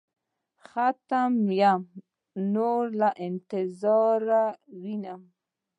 ختم يمه نور له انتظاره وينم.